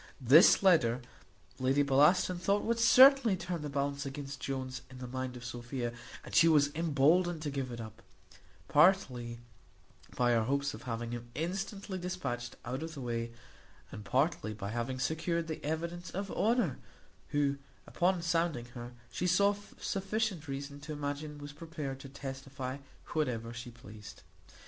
This letter Lady Bellaston thought would certainly turn the balance against Jones in the mind of Sophia, and she was emboldened to give it up, partly by her hopes of having him instantly dispatched out of the way, and partly by having secured the evidence of Honour, who, upon sounding her, she saw sufficient reason to imagine was prepared to testify whatever she pleased.